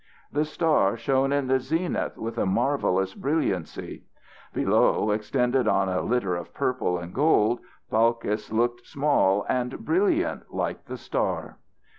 The star shone in the zenith with a marvellous brilliancy. Below, extended on a litter of purple and gold, Balkis looked small and brilliant like the star.